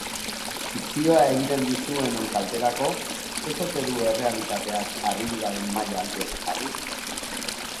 Fikzioa egiten duzuenon kalterako, ez ote du errealitateak harriduraren maila altuegi jarri?